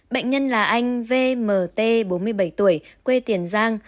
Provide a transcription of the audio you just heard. bệnh nhân là anh v m t bốn mươi bảy tuổi quê tiền giang